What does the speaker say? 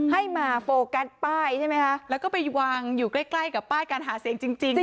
ให้มาโฟกัสป้ายใช่ไหมคะแล้วก็ไปวางอยู่ใกล้ใกล้กับป้ายการหาเสียงจริง